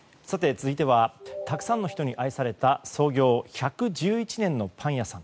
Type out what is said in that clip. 続いては沢山の人に愛された創業１１１年のパン屋さん。